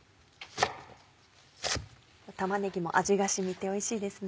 玉ねぎも味が染みておいしいですね。